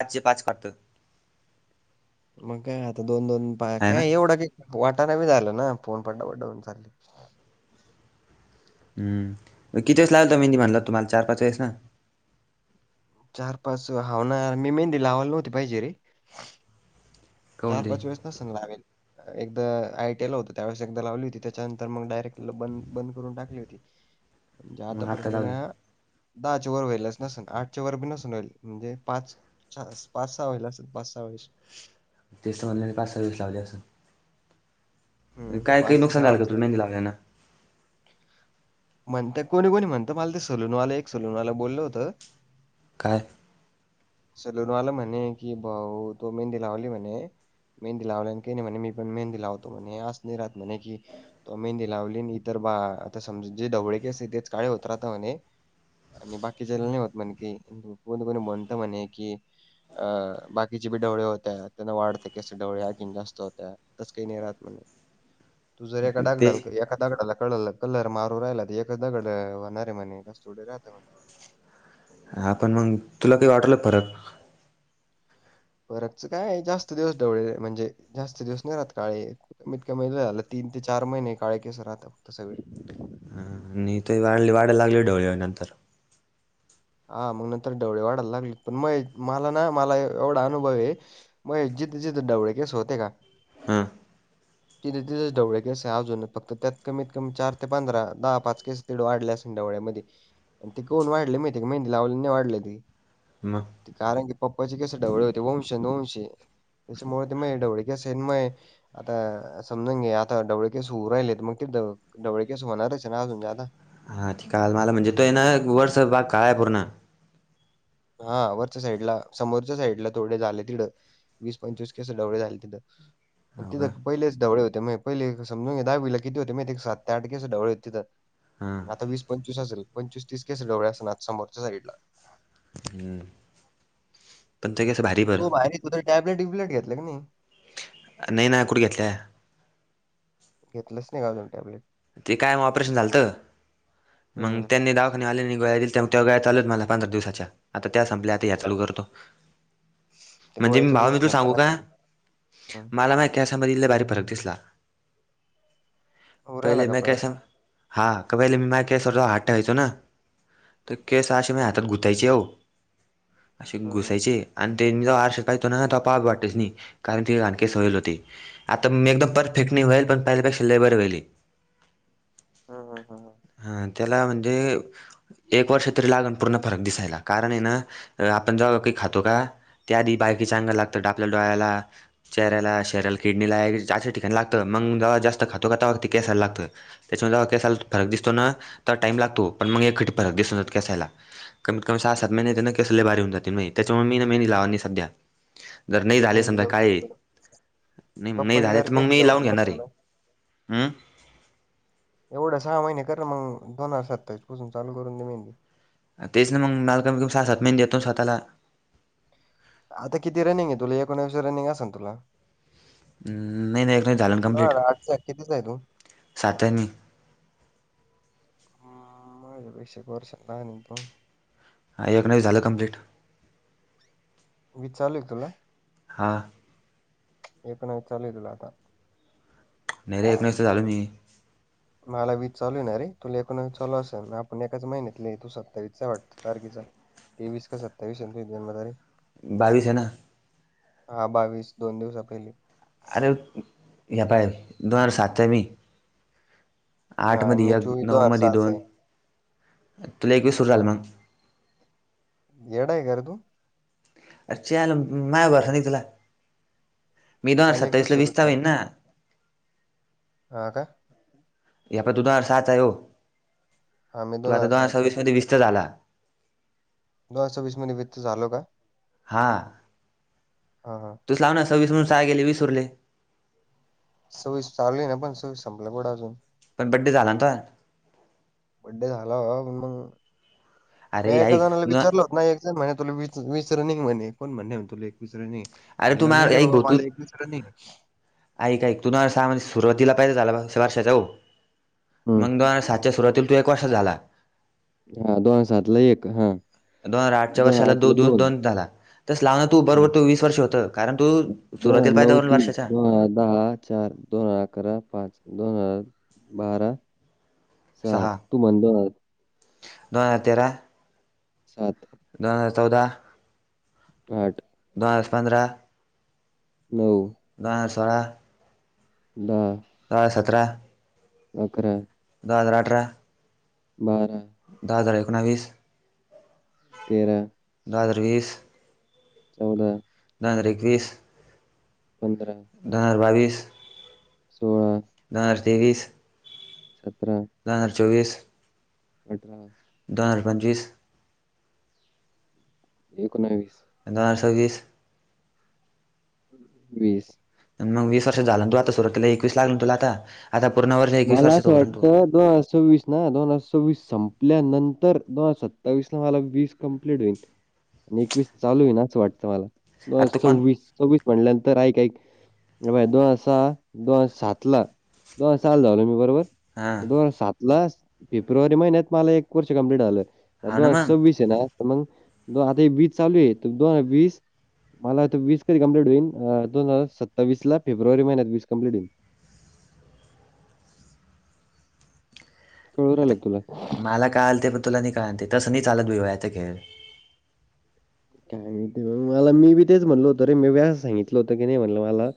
पाचचेे पाच करतो. मग काय आता दोन दोन पा आहे ना काय एवढं क वाटाला मी झालो ना फोन पड्ड पड्ड होऊन चाल. किती वेळेस लागल त मेहंदी म्हणला तुम्हाला चार पाच वेळेस ना. चार पाच हावणार मी मेहंदी लावायला नव्हती पाहिजे रे. काऊन चार ते पाच वेळेस नसेल लावेल. एकदा आयटीए ला होतो त्यावेळेस एकदा लावली होती त्याच्यानंतर मग डायरेक्ट बंद बंद करून टाकली होती. म्हणजे आता मग आत्ता पर्यंत लावली म्या. दहाच्या वर वईलच नसन आठच्या वर बी नसून [unintelligible] म्हणजे पाच. चार पाच सहा होईल असेल पाच सहा वेळेस. तेच तर म्हणल पाच सहा वेळेस लावली असल. हं, काय काही ते नुकसान झाल का तुज वेळेस. मेहंदी लावल्यान? म्हणत कोणी कोणी म्हणत मला ते सलूनवाला एक सलूनवाला बोलल होत. काय? सलूनवाला म्हणे कि भाऊ तु मेहंदी लावली म्हणे. मेहंदी लावल्याने काही नाही म्हणे मी पण मेंहंदी लावतो म्हणे अस नि राहात म्हणे कि तो मेहंदी लावली. तर बा आता समजा जे ढवळे केस आहेत तेच काळे होत राहता म्हणे. आणि बाकीचाला नाही होत म्हणे काही कोण कोणी म्हनत म्हणे कि. अ बाकीचे बी डवळे होत्या त्यांना वाढते की असे डवळे आणखीन जास्त होत्या. तस काही नाही राहत म्हणे तू जर एका दगडा ते ढाल एका दगडाला कळल कलर मारू राहिला त एकच दगड होणारय म्हणे असं थोडी राहता म्हणे. हां पण मग तुला काही वाटला का फरक? फरकच काय जास्त दिवस डवळे म्हणजे जास्त दिवस नाही राहत काळे. कमीत कमी झाल तीन ते चार महिने काळे केस राहत फक्त सगळे. हा आणि ते वाढ वाढय लागले डवळे नंतर. हा मग नंतर ढवळे वाढायला लागले पण मग मला ना मला एवढा अनुभव आहे. माझे जिथे जिथे ढवळे केस होते का. हां तिथे तिथे ढवळे केस आहे अजून फक्त त्यात कमीत कमी चार ते पंधरा दहा पाच केस. तिवडे वाढले असन डवळ्यामध्ये आणि ते काऊन वाढले माहिती मेहंदी लावले नाही वाढले ते. मग कारण की पप्पाचे कसे ढवळे होते वंश वंश त्याच्यामुळ ते मये ढवळे कस मये. आता समजून घे आता ढवळे केस उगऊ राहिलेत मग तीथ. ढवळे केस होणारचयन ना अजून जादा. हां [unintelligible] आल मला म्हणजे तो आहे ना वरचाच भाग काळ आहे पूर्ण. हा वरच्या साईडला समोरच्या साईडला थोडे झाले तिकडं. वीस पंचवीस केस डवळेे झाले तिथं मग हो का तिथं. पहिलेच ढवळे होते माये पहिले समजून घे दहावीला किती होते माहिते सात ते आठ केस डवळे होते तीथ. हां आता वीस पंचवीस असल पंचवीस तीस केस ढवळे असन समोरच्या साईडला. हम्म पंचे स [unintelligible] तो बाहेर एक [unintelligible] टॅबलेट विब्लेट घेतल्या की नाही नाही ना कुठ घेतल्या. घेतल्याच नाही का अजून टॅब्लेट. ते काय मग ऑपरेशन झालत. मग हं. त्यांनी दावाखान्यात आल्याने गोळ्या दिलत्या त्या गोळ्या चालू आहेत मला पंधरा दिवसाच्या. आता त्या संपल्या आता ह्या चालू करतो. ते म्हणजे गोळ्याच बी भावा मी तू उष्णता सांगू का राहते. हं. मला ना केसामध्ये लय भारी फरक दिसला. होऊ राहिला पहिले का मैं फरक? कैसा? [unintelligible] तर हं. केस असे मा हातात घुतायचे हो, असे हं, हं. घुसायचे. आणि त्यांनी जो आरशात पाहिचो ना, पाव वाटेस नाही. कारण ते घान केस व्हयंल होते. आता मी एकदम परफेक्ट नाही व्हयंल, पण पहिल्यापेक्षा लय बरं व्हयंले. हमी हम्म हम्म हम्म. हं त्याला म्हणजे एक वर्ष तरी लागण पूर्ण फरक दिसायला. कारण आहे ना आपण जेव्हा काही खातो का त्या आधी बायकीचे अंगाला लागंत. ते आपल्या डोळ्याला, चेहऱ्याला शरिराला, किडनी ला जाच्या अशा ठिकाणी लागतं. मग दवा जास्त खातो का तेव्हा ते केसाला लागतं. त्याच्यामध्ये केसायला फरक दिसतो ना, तेव्हा टाईम लागतो. पण मग एकखटे फरक दिसतो केसायला. कमीत कमी सहा सात महिनेत केस लय भारी होउन जातील मये. त्याच्यामुळे मी ना मेंहदी लावा नाही सध्या. जर नाही झाले मेहंदी समजा लावून काळे, सापडलं. नाही मग नाही झाले, तर मग मी लावून घेणार आहे. [inaudible] हम्म एवढे सहा महिने कर मग दोन हजार सतावीस पासून चालू करून दे म्हणे. तेच ना मग [unintelligible] सहा, सात महिने देतो स्वतःला. आता किती रनिंग तुला? एकोणवीस रनिंग असेल तुला. म् नाही नाही एकोणवीस झालं ना दोन कंप्लीट. हजार आठचा कितीचा आहे तू सातनं माझ्यापेक्षा एक वर्ष लहान आहे ना तु. हा एकोणावीस झालं कंप्लिट. विस चालूयं का तुला? हां. एकोणावीस चालू आहे तुला आता. नाहीेरे एकोणावीसचा झालो मी. मला वीस चालूये ना रे. तुला एकोणावीस चालू असेल, आपण एकाच महिन्यातले. तू सत्तावीसचा वाटत तारखेचा. तेवीस का सत्तावीस ना तुझी जन्म तारीख. बावीस आहे ना. हा बावीस, दोन दिवसा पहिले. अरे हे पाय दोन हजार सातचा मी हा आठ आणि मध्ये मी एक, चोवीस दोन नऊ हजार मध्ये सहाचा आहे दोन, तुला एकवीसच झालं मग. येडा आहे कारे तु? अरे! च्यायला मायवर भरोसा नाही तुला, मी दोन हजार मला एकवीस सत्तावीसला सुरू विसचा होईन ना. हा का? हे पाय तू दोन हजार सहा आहे हो, हा मी तू आता दोन हजार सहाचा आहे सव्वीस मध्ये विसचा झाला. दोन हजार सव्वीस मध्ये वीस चा झालो का? हा हां हां. तूच लावना सव्वीस मधून सहा गेले वीस उरले. सव्वीस चालुये ना, पण सव्वीस संपल कुढं अजून. पण बड्डे झाला ना तुझा. बड्डे झाला भावा पण मग [inaudible] म्या अरे एका ऐक जणाला न विचारलं, मा [unintelligible] तुला विस वीसच रनिंग म्हणे, कोण म्हणे तुले एकवीस रनिंगे? म्हणलं नाही रे बाबा, मला एकवीस रनिंगे. आइक आइक तु दोन हजार सहा मध्ये सुरुवातीला [unintelligible] झाला वर्षाचा हो, मग हम्म दोन हजार सात- च्या सुरवातीला तू एक वर्षाचा झाला. हा दोन हजार सातला एक. हा- दोन हजार आठच्या दोन हजार वर्षाला दो आठला दो दोन झाला. तस लाव ना तू, हा बरोबर तो वीस वर्ष होत. कारण तू- दोन सुरुवातीला हजार पाहिजे नऊ तीन वर्षाच्या दोन दहा चार दोन हजार अकरा पाच दोन हजार बारा सहा तु म्हण दोन हजार बारा तेरा सात दोन हजार चौदा आठ दोन हजार पंधरा नऊ दोन सोळा दहा दहा सतरा अकरा दहा हजार अठरा बारा दोन हजार एकोणावीस तेरा दोन हजार वीस चौदा दोन हजार एकवीस पंधरा दहा बावीस सोळा दहा तेवीस सतरा दहा चोवीस अठरा दहा हजार पंचवीस एकोणावीस दहा सव्वीस वीस मग वीस वर्षांचा झाला ना तू आता सुरुवातीला एकवीस लागल ना तुला आता आता पूर्ण वर्षाचे मला असं वाटतं दोन हजार सव्वीस नाही दोन हजार सव्वीस संपल्यानंतर दोन हजार सत्तावीस ला मला वीस कंप्लीट होईल. आणि एकवीस चालू आहे ना असं वाटतं मला दोन अरे हजार तू कोण सव्वीस सव्वीस म्हटल्यानंतर ऐक ऐक हे पाय दोन हजार सहा दोन हजार सातला सहाला झालो मी बरोबर हां दोन हजार सातला फेब्रुवारी महिन्यात मला एक वर्ष कंप्लीट झालं. हाव दोन ना हजार मग सव्वीस ये ना तर मगं आता हे वीस चालूये तर दोन हजार वीस मला आता वीस कधी कंप्लीट होईन दोन हजार सत्तावीसला फेब्रुवारी महिन्यात वीस कंप्लीट होईल. कळू राहिलं आता का तुला? मला कळालते पण तुला नाही कळालते तसं नाही चालत विव्याचे खेळ काय नाही ते मला मी बी तेच म्हणल होतं रे मी व्यास सांगितलं होतं की नाही म्हटलं मला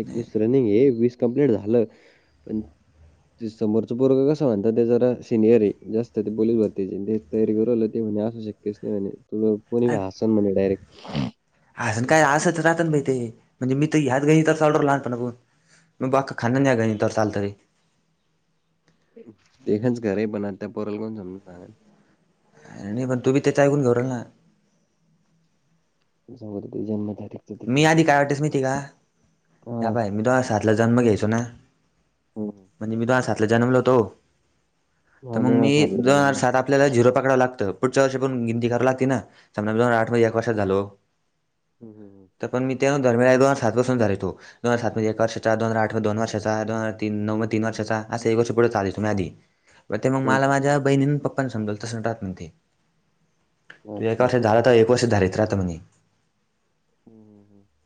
एकवीस रनिंग ये वीस कंप्लीट झालं पण ते समोरच पोरग कस म्हणतात ते जरा सिनियर आहे जास्त ते पोलीस भरतीचे ते तयारी करू राहिला ते म्हणे असू शक्यस नाही म्हणे तु कोणी हसल म्हणे डायरेक्ट हसत काय असंच राहत ना भाई ते म्हणजे मी तर ह्यात घाईत तरच ऑडर लहानपणापासून म बाक खान न्या गणिता चालतरे. तेगंज खरंय पण आ त्यां पोरांल कोण समजून सांगणार. काय नाही पण तु बी तेच ऐकून [unintelligible] [unintelligible] जन्म तारीख मी आधी काय वाटतेस महिते का? या हां. पाह्य मी तो दोन हजार सातला जन्म घ्यायचो ना, हं. म्हणजे मी तो दोन हजार सातला जन्मलो होतो. तर हां, मग मी दोन हजार जन्मला. सात आपल्याला झिरो पकडाव लागतं. पुढच्या वर्ष पण गिणती करावी लागते ना, समजा मी दोन हजार आठ मध्ये एक वर्षाच झालो [inaudible] तर पण मी त्यान दरम्यान एक दोन सातपासून धरितो दोन हजार सात मध्ये एक वर्षाचा, दोन हजार आठ मध्ये दोन वर्षाचा, दोन हजार तीन नऊ मध्ये तीन वर्षाचा, असे एक वर्ष पुढे चालीतो मी आधी. [inaudible] ते मग माला हं, माझ्या बहिणीन, पप्पान समजलं तसं राहत नाही ते. हं. तू एक अच्छा. हं, वर्षाचा झाला तर एक वर्ष धरित राहते म्हणे. [inaudible]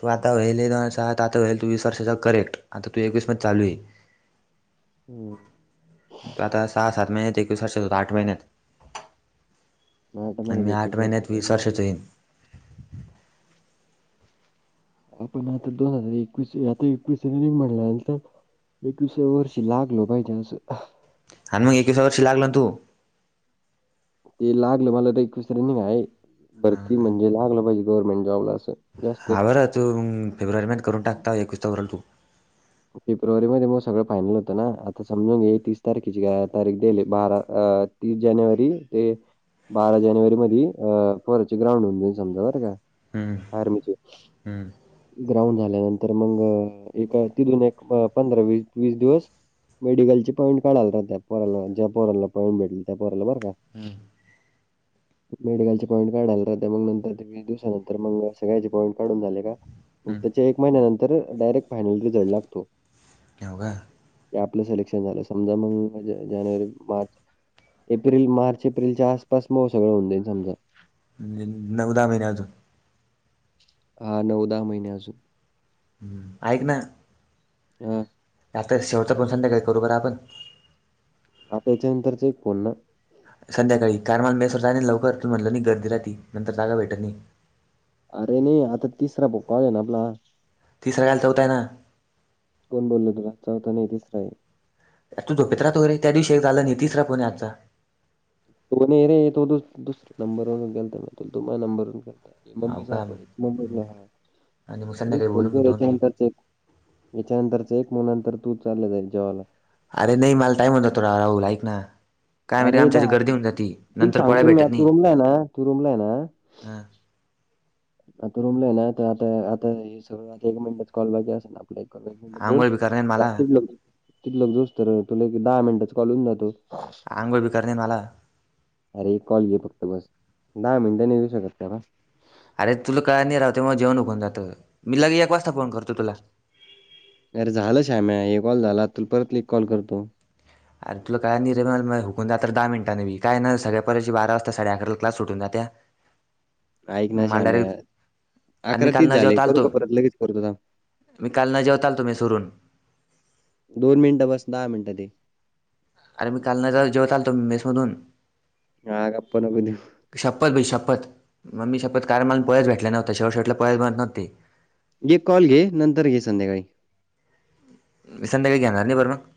तू आता होईल ये दोन वर्ष त आता आता होईल तू वीस वर्षाचा करेक्ट, आता तू एकवीस मध्य चालू हे. [inaudible] तु आता सहा सात महिन्यात एकवीस वर्षाचा होतो आठ महिन्यात. आठ अन महिन्यात मी एकवीस आठ महिन्यात वर्ष वीस वर्षाचा होईन. आपण आता दोन हजार एकवीस, आता एकवीस रनिंग म्हणल्यानंतर एकवीसाव्या वर्षी लागलो पाहिजे असं. हा न मग एकविस वर्षी लागलं तू ते लागलं मला त एकविस रनिंग आहे, भरती म्हणजे लागलं पाहिजे गव्हर्नमेंट जॉबला असं. जास्त हां बरं तू फेब्रुवारीमध्ये करून टाक तवा एकवीस चा ऊंरल तू. फेब्रुवारी मध्ये म सगळं फायनल होतं ना आता समजून घे तीस तारखेची तारीख देयल बारा अ तीस जानेवारी ते बारा जानेवारी मधी अ पोराचे ग्राउंड होऊन जाईल समजा बरं का. हम्म आर्मीचे हम्म ग्राउंड झाल्यानंतर मग एक. तिथून एक अ पंधरा वी वीस दिवस. मेडिकलचे पॉईंट काढायला [unintelligible] त्या पोरांला ज्या पोराला पॉईंट भेटले त्या पोराला बरं का. हूं! [inaudible] मेडिकलचे पॉईंट काढायला राहत्यां मंग नंतर ते वीस दिवसानंतर मंग सगळ्याचे पॉईंट काढून झाले का. मंग त्याच्या एक महिन्यानंतर डायरेक्ट फायनल रिझल्ट लागतो. हो का. की आपलं सेलेक्शन झालं समजा मंग जानेवारी, मार्च. एप्रिल मार्च एप्रिलच्या आसपास म सगळं होऊनं जाईन समजा. नी-नऊ दहा महिने अजून. हा नऊ दहा महिने अजू. हूं ऐक ना. हा! आता शेवटचा पण संध्याकाळी करु बर आपण. आता याच्यानंतरचा एक फोनना. संध्याकाळी कारन माल मेसवर जानं हे नं लवकर तू म्हनलं नही गर्दी राहती नंतर जागा भेटत नही. अरे नही आता तिसरा भो कॉल हे ना आपला. तिसरा नाही, चौथा ये ना. कोण बोललो तुला, चौथा नाही तिसरा आहे. तू झोपेत राहतो रे त्या दिवशी एक झाला, नाही तिसरा फोन आहे आजचा. तो नाही रे, तो दुस नंबर वरुन केलता, तो माझ नंबरवरुन केलता. हो का आणि मग संध्याकाळी बोलून घेऊ दोन फोन [unintelligible] याच्यानंतरच ऐक म नंतर तू चाले जाईल जेवायला. अरे नाही मला टाईम होईल ना, तोडा होईल ऐकणा. काय माहिते अरे आमच्या हित गर्दी होऊन जाती, तुला नंतर पळाय सांगतो ना मी भेटत आता तू नाही रूमला आहे ना, तू रूमला आहे ना, हं. आता रूमला ये ना आता-आता-आता हे सगळंता एक मिनिटाच कॉल बाकी असल ना. एक ला एक मिनिट बोल आंघोळ बी करणे मला जातील [unintelligible] तिथ ल जो असत तुला एक दहा मिनटाच कॉल होउन जातो. अंगोळ बी करू दे मला अरे कॉल घे फक्त, बस दहा मिनट नई देऊ शकत का बा? अरे तुला कळायला नाही, राहते तेवा जेवण होऊन जातं मी, लगेच एक वाजता फोन करतो तुला. अरे झालं श्याम्या, एक कॉल झाला, तुला परत एक कॉल करतो. अर तुला कळाय नई रे हुकून जाते रे दहा मिनटांने बी, काय ना सगळ्या पोरांची बारा वाजता साडे अकराला क्लास सुटूना जात्या. ऐक ना मग मला श्याम्या, डायरेक्ट अरे अकरा मी तीस काल न झाले, जेवता करू का आलतो परत लगेच करतो थाब. मी काल न जेवता आलतो मेस वरून. दोन मिनिटं बसनार दहा मिनिटात ये. अरे मी काल न जेव जेवता आलतो मेस मधून. ह गप्पा नको देऊ. शपथ भाई शपथ म मी शपथ काल मला पोळ्याच भेटल्या नव्हत्या, शेवट शेटला पोळ्याच बनंत नव्हते. एक कॉल घे, नंतर घे संध्याकाळी. मि संद्याकाळी घेणार नाही बरं मग